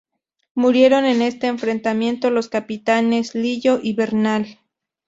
Murieron en este enfrentamiento los capitanes Lillo y Bernal.